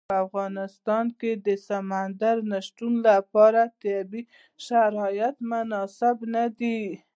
په افغانستان کې د سمندر نه شتون لپاره طبیعي شرایط مناسب دي.